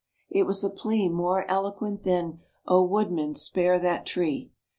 It was a plea more eloquent than "O Woodman, spare that tree."